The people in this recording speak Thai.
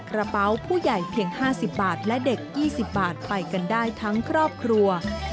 กระเป๋าผู้ใหญ่เพียง๕๐บาทและเด็ก๒๐บาทไปกันได้ทั้งครอบครัว